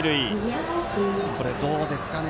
これ、どうですかね。